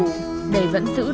để vẫn giữ được lượng nhiệt vừa đủ